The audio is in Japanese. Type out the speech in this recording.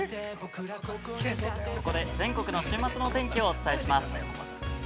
◆ここで全国の週末のお天気をお伝えします。